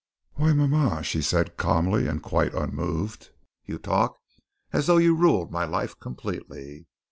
"Why, mama," she said calmly and quite unmoved, "you talk as though you ruled my life completely.